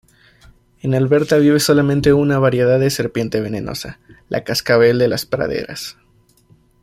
En Alberta vive solamente una variedad de serpiente venenosa, la cascabel de las praderas.